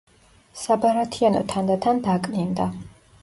საბარათიანო თანდათან დაკნინდა.